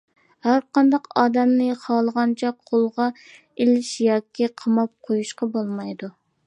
ھەرقانداق ئادەمنى خالىغانچە قولغا ئېلىش ياكى قاماپ قويۇشقا بولمايدۇ.